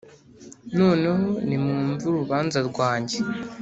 Noneho nimwumve urubanza rwanjye